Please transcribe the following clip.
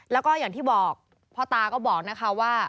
แล้วก็อย่างที่บอกพ่อตาก็บอกนะคะว่า